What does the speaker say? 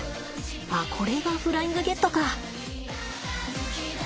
ああこれがフライングゲットか。